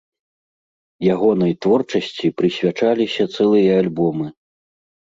Ягонай творчасці прысвячаліся цэлыя альбомы.